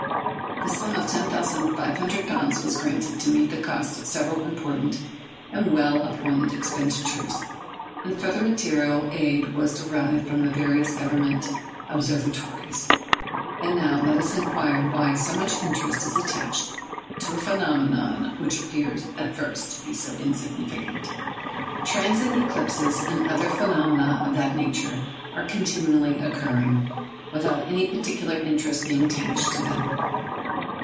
The sum of ten thousand five hundred pounds was granted to meet the cost of several important and well appointed expeditions; and further material aid was derived from the various Government observatories. And now let us inquire why so much interest is attached to a phenomenon which appears, at first sight, to be so insignificant. Transits, eclipses, and other phenomena of that nature are continually occurring, without any particular interest being attached to them.